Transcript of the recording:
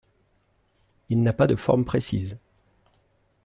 Il n'a pas de forme précise.